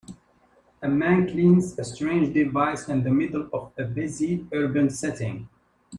A man cleans a strange device in the middle of a busy urban setting.